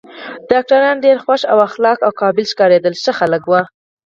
ډاکټران ډېر خوش اخلاقه او قابل ښکارېدل، ښه خلک و.